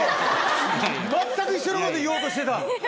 全く一緒のこと言おうとしてた？